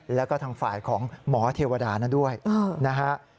แล้วก็ทางฝ่ายของหมอเทวดานั้นด้วยนะฮะ